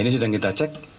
ini sedang kita cek